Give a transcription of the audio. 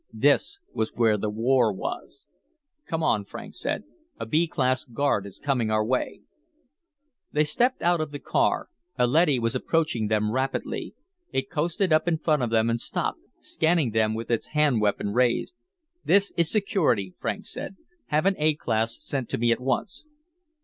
This was where the war was. "Come on," Franks said. "A B class guard is coming our way." They stepped out of the car. A leady was approaching them rapidly. It coasted up in front of them and stopped, scanning them with its hand weapon raised. "This is Security," Franks said. "Have an A class sent to me at once."